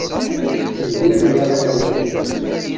D Yuc ay aɣ-iɛawnen.